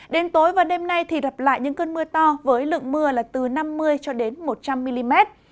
đến tối và đêm nay thì đập lại những cơn mưa to với lượng mưa là từ năm mươi cho đến một trăm linh mm